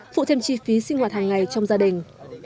phụ thêm chi phí sinh hoạt hàng ngày trong gia đình